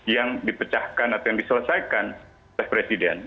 yang dipecahkan atau yang diselesaikan oleh presiden